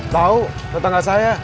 tau tetangga saya